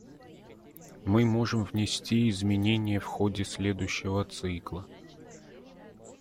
Мы можем внести изменение в ходе следующего цикла.